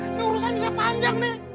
ini urusan bisa panjang nih